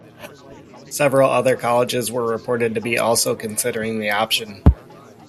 Several other colleges were reported to be also considering the option.